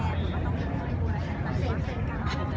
แม่กับผู้วิทยาลัย